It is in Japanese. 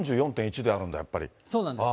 そうなんです。